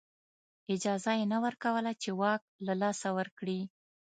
اجازه یې نه ورکوله چې واک له لاسه ورکړي.